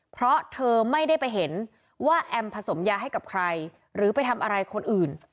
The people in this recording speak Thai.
เพราะเธอไม่ได้ไปเห็นว่าแอมผสมยาให้กับใครหรือไปทำอะไรคนอื่น